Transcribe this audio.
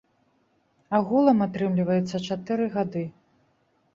Агулам атрымліваецца чатыры гады.